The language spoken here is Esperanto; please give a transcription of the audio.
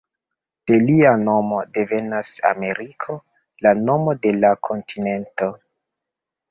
De lia nomo devenas Ameriko, la nomo de la kontinento.